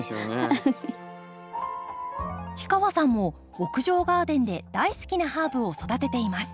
氷川さんも屋上ガーデンで大好きなハーブを育てています。